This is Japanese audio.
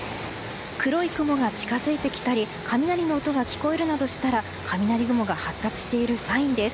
黒い雲が近づいて来たり雷の音が聞こえたりしたら雷雲が発達しているサインです。